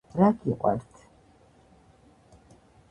რა გიყვართ